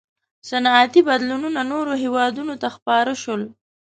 • صنعتي بدلونونه نورو هېوادونو ته خپاره شول.